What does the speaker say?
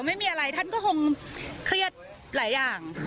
ไม่มีอะไรท่านก็คงเครียดหลายอย่าง